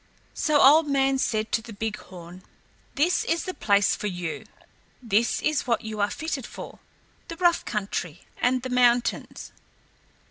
So Old Man said to the big horn, "This is the place for you; this is what you are fitted for; the rough country and the mountains."